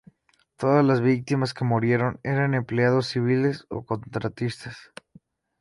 Todas las víctimas que murieron eran empleados civiles o contratistas.